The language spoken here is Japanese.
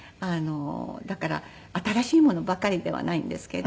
だから新しいものばかりではないんですけど。